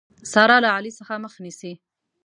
سارا له علي څخه مخ نيسي.